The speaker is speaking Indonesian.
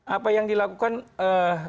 apa yang dilakukan eee